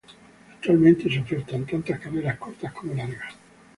Actualmente se ofertan tanto carreras cortas como largas.